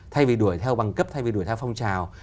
thay vì đuổi theo bằng cấp thay vì đuổi theo phong trào